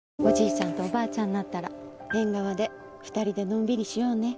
ちゃんとおばあちゃんになったら縁側で２人でのんびりしようね。